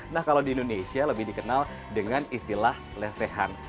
nah kalau di indonesia lebih dikenal dengan istilah lesehan